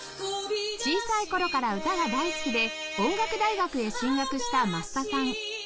小さい頃から歌が大好きで音楽大学へ進学した益田さん